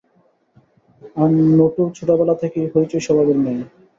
আর নুটু ছোটবেলা থেকেই হৈচৈ স্বভাবের মেয়ে!